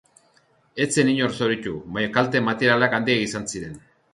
Ez zen inor zauritu, baina kalte materialak handiak izan ziren.